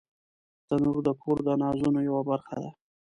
تنور د کور د نازونو یوه برخه ده